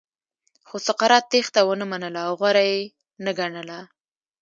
خو سقراط تېښته ونه منله او غوره یې نه ګڼله.